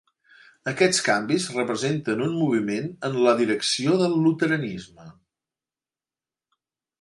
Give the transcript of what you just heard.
Aquests canvis representen un moviment en la direcció del luteranisme.